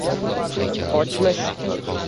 Ochmish